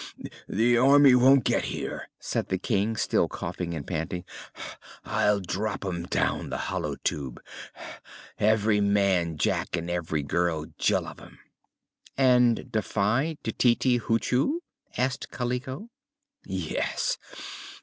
"The Army won't get here," said the King, still coughing and panting. "I'll drop 'em down the Hollow Tube every man Jack and every girl Jill of 'em!" "And defy Tititi Hoochoo?" asked Kaliko. "Yes.